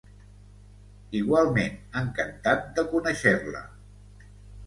Igualment, encantat de conèixer-la.